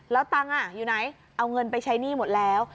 แล้วตังค์อยู่ไหนเอาเงินไปใช้หนี้หมดแล้ว